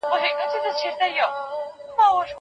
شخصي ملکیت د ژوند ضرورت دی.